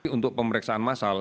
untuk pemeriksaan massal